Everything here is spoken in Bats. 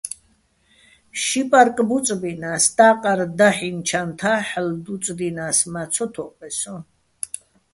ში პარკ ბუწბინა́ს, და́ყარ დაჰ̦ინო̆ ჩანთა́ ჰ̦ალო̆ დუწდინა́ს, მა́ ცო თო́ყეჼ სო́ჼ.